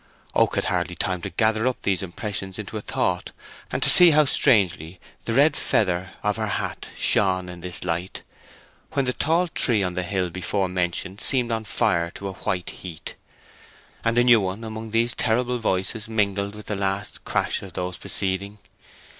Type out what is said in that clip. Oak had hardly time to gather up these impressions into a thought, and to see how strangely the red feather of her hat shone in this light, when the tall tree on the hill before mentioned seemed on fire to a white heat, and a new one among these terrible voices mingled with the last crash of those preceding.